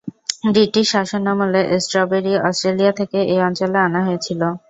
British শাসনামলে strawberry Australia থেকে এই অঞ্চলে আনা হয়েছিল।